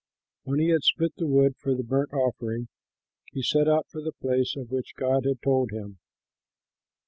When he had split the wood for the burnt offering, he set out for the place of which God had told him.